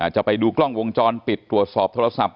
จะไปดูกล้องวงจรปิดตรวจสอบโทรศัพท์